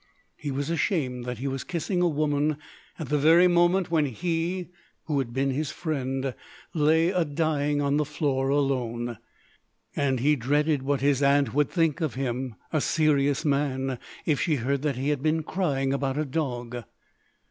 He was ashamed that he was kissing a woman at the very moment when he, who had been his friend, lay a dying on the floor alone. And he dreaded what his Aunt would think of him, a serious man, if she heard that he had been crying about a dog.